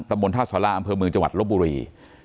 ธรรมวลท่าศาลาฯอำเภอมึงจังหวัดลบบุรี